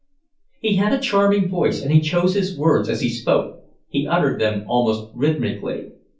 He had a charming voice, and he chose his words as he spoke; he uttered them almost rhythmically.